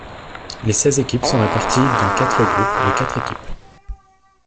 Les seize équipes sont réparties dans quatre groupes de quatre équipes.